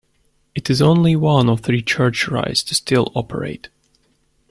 It is only one of three Church rides to still operate.